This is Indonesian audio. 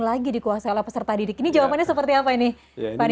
apalagi dikuasai oleh peserta didik ini jawabannya seperti apa ini pak nino